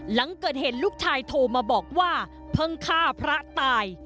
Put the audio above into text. หลังเกิดเหตุลูกชายโทรมาบอกว่าเพิ่งฆ่าพระตาย